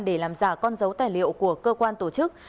để làm giả con dấu tài liệu của cơ quan tổ chức